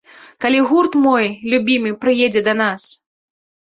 Калі гурт мой любімы прыедзе да нас!!!